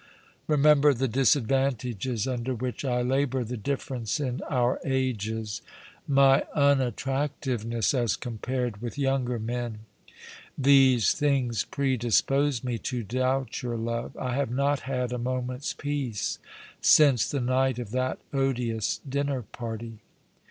Eemember the disadvantages under which I labour — the difference in our ages; my unattractiveness as compared with younger men. These things predisposed me to doubt yonr love. I have not had a moment's i^eace since the night of that odious dinner party.